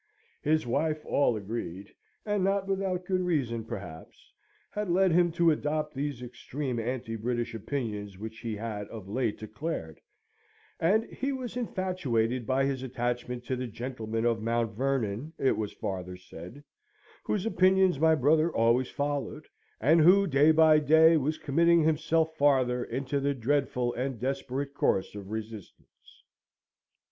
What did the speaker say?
His wife, all agreed (and not without good reason, perhaps), had led him to adopt these extreme anti British opinions which he had of late declared; and he was infatuated by his attachment to the gentleman of Mount Vernon, it was farther said, whose opinions my brother always followed, and who, day by day, was committing himself farther in the dreadful and desperate course of resistance.